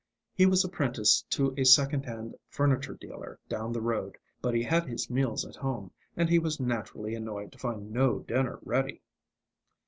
He was apprenticed to a second hand furniture dealer down the road, but he had his meals at home, and he was naturally annoyed to find no dinner ready.